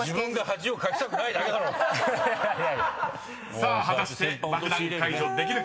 ［さあ果たして爆弾解除できるか］